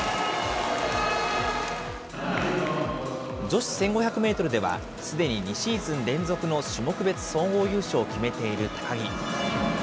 女子１５００メートルでは、すでに２シーズン連続の種目別総合優勝を決めている高木。